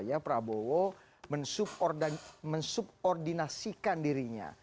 ya prabowo mensubordinasikan dirinya